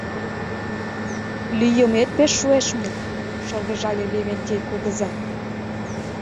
— Лӱйымет пеш шуэш мо? — шыргыжале Левентей кугыза.